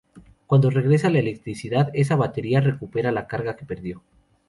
Cuando regresa la electricidad, esa batería recupera la carga que perdió.